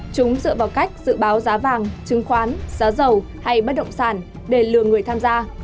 chúng dựa vào cách dự báo giá vàng chứng khoán giá dầu hay bất động sản để lừa người tham gia